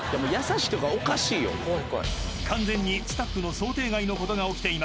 ［完全にスタッフの想定外のことが起きています］